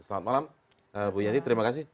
selamat malam bu yanti terima kasih